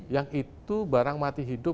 yang itu barang mati hidup